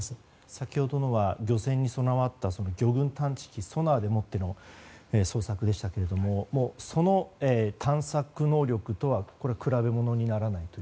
先ほどのは漁船に備わった魚群探知機ソナーでの捜索でしたがその探索能力とは比べものにならないと。